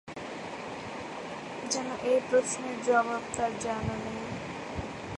যেন এই প্রশ্নের জবাব তার জানা নেই।